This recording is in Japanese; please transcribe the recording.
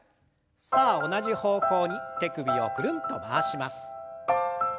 さあ同じ方向に手首をくるんと回します。